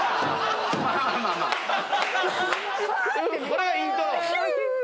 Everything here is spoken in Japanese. これがイントロ。